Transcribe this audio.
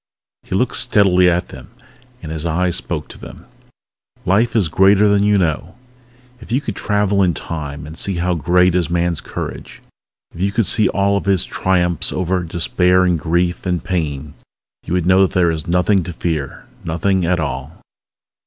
He looked steadily at them and his eyes spoke to them ... _Life is greater than you know. If you could travel in Time, and see how great is man's courage if you could see all of his triumphs over despair and grief and pain you would know that there is nothing to fear! Nothing at all!